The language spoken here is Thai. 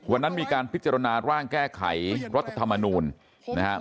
วันนั้นมีการพิจารณาร่างแก้ไขรัฐธรรมนูลนะครับ